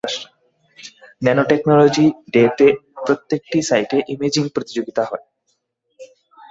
Nanotechnology ডে তে প্রত্যেকটি সাইটে ইমেজিং প্রতিযোগীতা হয়।